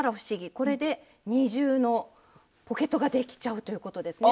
これで二重のポケットができちゃうということですね。